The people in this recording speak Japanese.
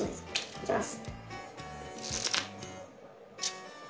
行きます。